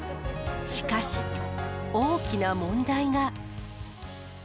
しかし、大きな問題が。